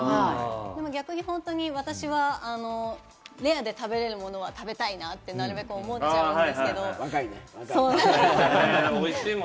逆に私はレアで食べられるものは食べたいなって、なるべく思っちゃうんですけれども。